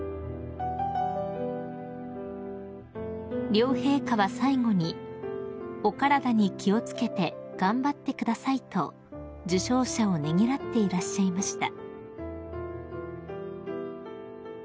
［両陛下は最後に「お体に気を付けて頑張ってください」と受賞者をねぎらっていらっしゃいました］